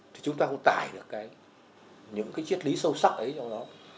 thì chúng ta cũng tải được những triết lý sâu sắc ấy trong đó